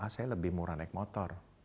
saya lebih murah naik motor